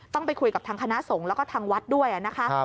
ต้องไปคุยกับทางคณะสงฆ์แล้วก็ทางวัดด้วยนะคะ